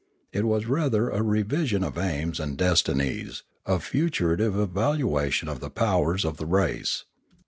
It was rather a revision of aims and destinies, a futuritive evaluation of the powers of the race.